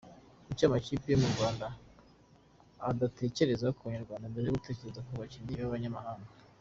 Kuki amakipe yo mu Rwanda adatekereza ku Banyarwanda mbere yo gutekereza ku bakinnyi babanyamahanga ?.